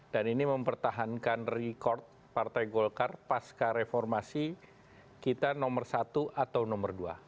dan ini mempertahankan record partai golkar paska reformasi kita nomor satu atau nomor dua